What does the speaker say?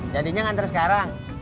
jadinya ngantre sekarang